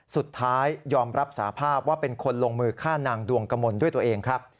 สุดท้ายยอมรับสาภาพว่าเป็นคนลงมือฆ่านางดวงกมลด้วยตัวเองครับ